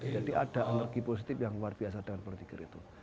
jadi ada energi positif yang luar biasa dengan berzikir itu